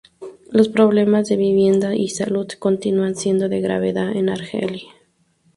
Los problemas de vivienda y salud continúan siendo de gravedad en Argelia.